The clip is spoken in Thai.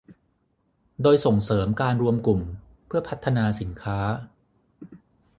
โดยส่งเสริมการรวมกลุ่มเพื่อพัฒนาสินค้า